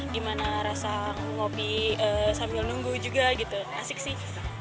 gimana rasa ngopi sambil nunggu juga gitu asik sih